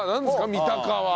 三鷹は。